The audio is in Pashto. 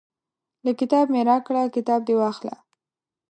لکه کتاب مې راکړه کتاب دې واخله.